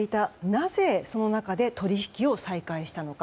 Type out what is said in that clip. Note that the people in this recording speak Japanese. なぜ、その中で取引を再開したのか。